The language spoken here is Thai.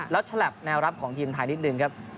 แล้วฉลับแนวรับของทีมไทยนิดนึงครับ